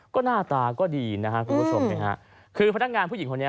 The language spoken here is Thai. ก็หน้าตาก็ดีนะครับคุณผู้ชม